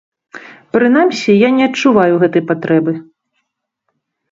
Прынамсі, я не адчуваю гэтай патрэбы.